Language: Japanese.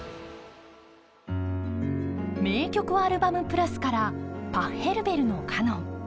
「名曲アルバム＋」から「パッヘルベルのカノン」。